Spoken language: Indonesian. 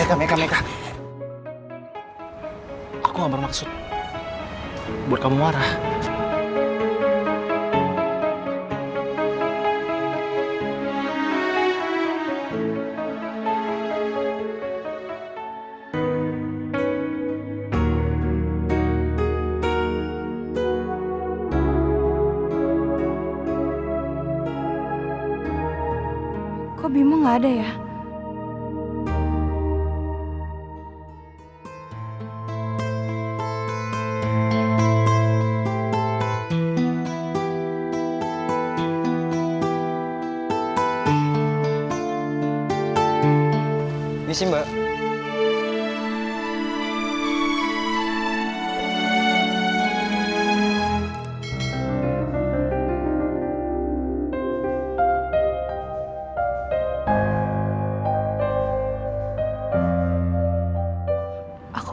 ya kalau aku gak ngelakuin ini kamu gak bakal jujur sama aku